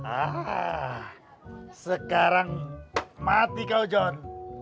ah sekarang mati kau john